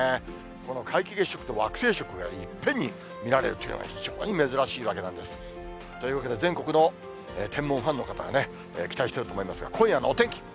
この皆既月食と惑星食がいっぺんに見られるというのは非常に珍しいわけなんです。というわけで全国の天文ファンの方はね、期待していると思いますが、今夜のお天気。